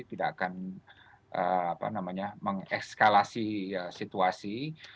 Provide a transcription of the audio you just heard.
tidak akan mengekskalasi situasi